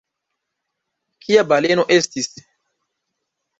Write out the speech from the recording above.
Kia baleno estis?